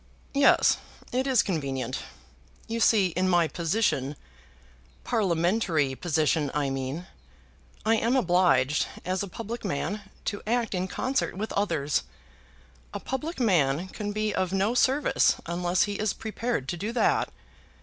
"Yes, it is convenient. You see in my position, Parliamentary position, I mean, I am obliged, as a public man, to act in concert with others. A public man can be of no service unless he is prepared to do that.